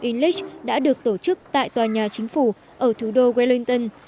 ông inglis đã được tổ chức tại tòa nhà chính phủ ở thủ đô wellington